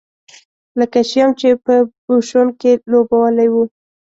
لکه شیام چې په بوشونګ کې لوبولی و.